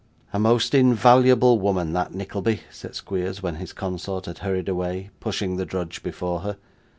'A most invaluable woman, that, Nickleby,' said Squeers when his consort had hurried away, pushing the drudge before her.